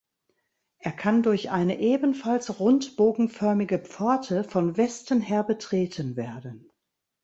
Er kann durch eine ebenfalls rundbogenförmige Pforte von Westen her betreten werden.